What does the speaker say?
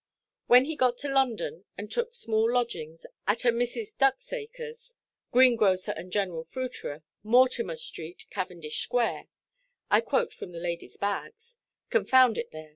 When he got to London, and took small lodgings at a Mrs. Ducksacreʼs, "greengrocer and general fruiterer, Mortimer–street, Cavendish–square,"—I quote from the ladyʼs bags: confound it, there!